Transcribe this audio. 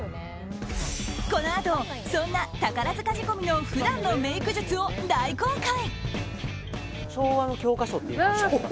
このあと、そんな宝塚仕込みの普段のメイク術を大公開。